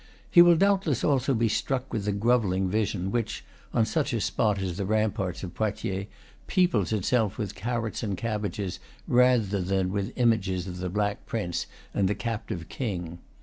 He will doubtless, also, be struck with the grovelling vision which, on such a spot as the ramparts of Poitiers, peoples itself with carrots and cabbages rather than with images of the Black Prince and the captive king.